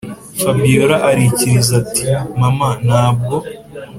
fabiora arikiriza ati”mama ntabwo